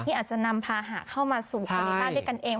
ที่อาจจะนำพาหาเข้ามาสู่บ้านด้วยกันเอง